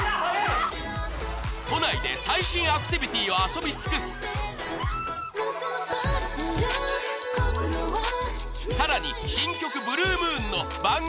都内で最新アクティビティを遊び尽くすさらに新曲『ＢｌｕｅＭｏｏｎ』の番組